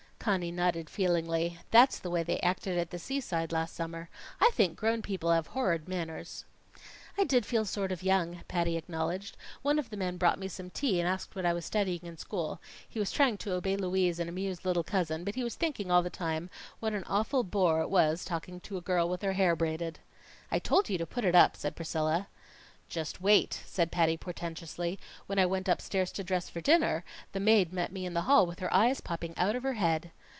Conny nodded feelingly. "That's the way they acted at the seaside last summer. I think grown people have horrid manners." "I did feel sort of young," Patty acknowledged. "One of the men brought me some tea and asked what I was studying in school. He was trying to obey Louise and amuse little cousin, but he was thinking all the time, what an awful bore it was talking to a girl with her hair braided." "I told you to put it up," said Priscilla. "Just wait!" said Patty portentously. "When I went upstairs to dress for dinner, the maid met me in the hall with her eyes popping out of her head.